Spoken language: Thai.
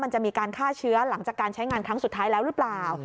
มันจะมีการฆ่าเชื้อหลังจากการใช้งานครั้งสุดท้ายแล้วหรือเปล่า